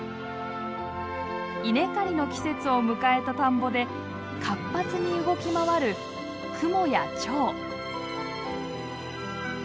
稲刈りの季節を迎えた田んぼで活発に動き回るクモやチョウ。